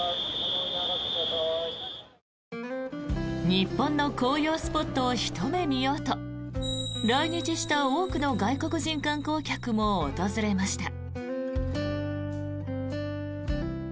日本の紅葉スポットをひと目見ようと来日した多くの外国人観光客も訪れました。